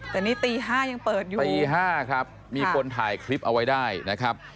แต่นี่ตี๕ยังเปิดอยู่ตี๕ครับมีคนถ่ายคลิปเอาไว้ได้นะครับ